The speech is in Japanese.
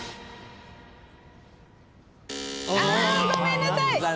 あごめんなさい！